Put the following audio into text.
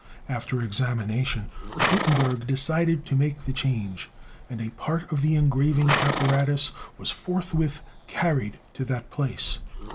After examination, Gutenberg decided to make the change, and a part of the engraving apparatus was forthwith carried to that place.